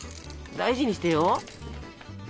大事にしてよ。